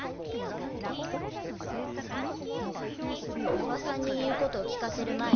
おばさんに言うことを聞かせる前に。